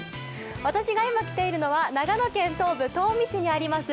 私が今来ているのは長野県東部東御市にあります